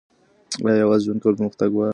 آیا یوازې ژوند کول پرمختګ راولي؟